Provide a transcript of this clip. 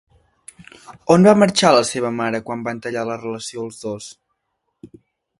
On va marxar la seva mare quan van tallar la relació els dos?